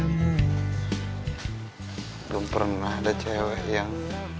belum pernah ada cewek yang